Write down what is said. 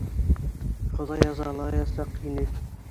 Хоҙай язалаясаҡ һине!